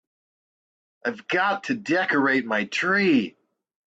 I've got to decorate my tree.